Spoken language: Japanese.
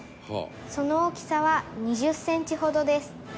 「その大きさは２０センチほどです」